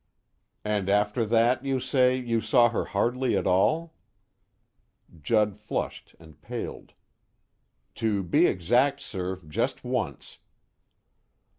"And after that, you say, you saw her hardly at all?" Judd flushed and paled. "To be exact, sir, just once."